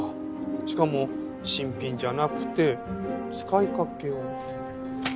しかも新品じゃなくて使いかけを。